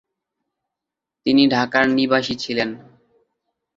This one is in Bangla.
তিনি ঢাকার নিবাসী ছিলেন।